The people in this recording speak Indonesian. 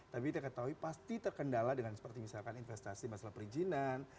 tapi kita ketahui pasti terkendala dengan seperti misalkan investasi masalah perizinan